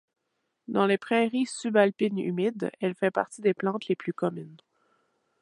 Dans les prairies subalpines humides, elle fait partie des plantes les plus communes.